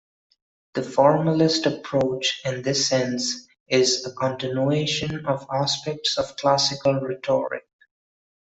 The formalist approach, in this sense, is a continuation of aspects of classical rhetoric.